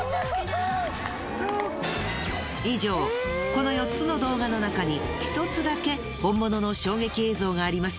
以上この４つの動画のなかに１つだけ本物の衝撃映像があります。